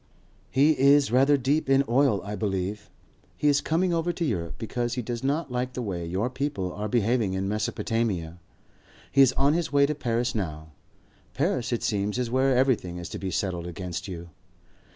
"He is rather deep in oil, I believe. He is coming over to Europe because he does not like the way your people are behaving in Mesopotamia. He is on his way to Paris now. Paris it seems is where everything is to be settled against you.